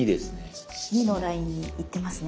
２のラインにいってますね。